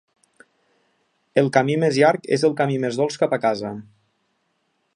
El camí més llarg és el camí més dolç cap a casa.